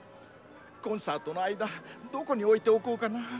コンサートの間どこにおいておこうかな。